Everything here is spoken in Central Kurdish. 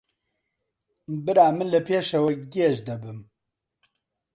برا من لە پێشەوە گێژ دەبم